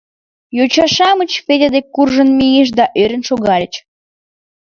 Йоча-шамыч Федя дек куржын мийышт да ӧрын шогальыч.